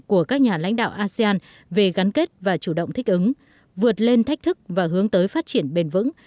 của các nhà lãnh đạo asean về gắn kết và chủ động thích ứng vượt lên thách thức và hướng tới phát triển bền vững